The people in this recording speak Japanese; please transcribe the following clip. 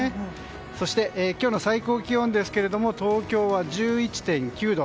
そして、今日の最高気温ですが東京は１１．９度。